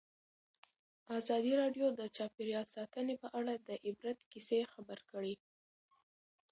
ازادي راډیو د چاپیریال ساتنه په اړه د عبرت کیسې خبر کړي.